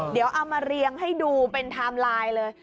เดี๋ยวเอามาเรียงให้ดูเป็นไทม์ไลน์เลย